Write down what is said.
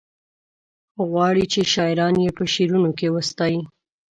غواړي چې شاعران یې په شعرونو کې وستايي.